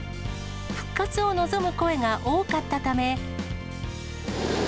復活を望む声が多かったため。